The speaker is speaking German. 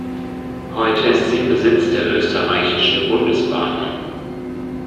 Heute ist sie im Besitz der Österreichischen Bundesbahnen.